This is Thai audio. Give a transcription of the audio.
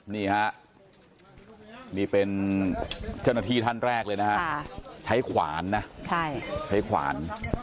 นี่ฮะนี่เป็นเจ้าหน้าที่ท่านแรกเลยนะฮะใช้ขวานนะใช้ขวาน